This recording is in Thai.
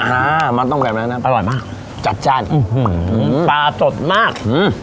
อ่ามันต้องแบบนั้นนะอร่อยมากจัดชาติอื้อหือปลาสดมากอื้อ